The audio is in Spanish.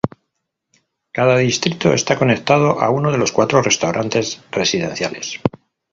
Cada distrito está conectado a uno de los cuatro Restaurantes Residenciales.